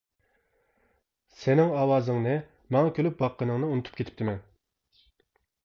سېنىڭ ئاۋازىڭنى، ماڭا كۈلۈپ باققىنىڭنى ئۇنتۇپ كېتىپتىمەن.